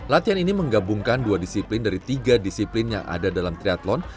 latihan ini menggabungkan dua disiplin dari tiga disiplin yang ada dalam triathlon